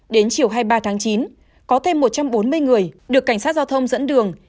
đến chiều hai mươi ba tháng chín có thêm một trăm bốn mươi người được cảnh sát giao thông dẫn đường